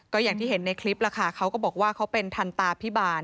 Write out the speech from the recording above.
ก็อย่างที่เห็นในคลิปล่ะค่ะเขาก็บอกว่าเขาเป็นทันตาพิบาล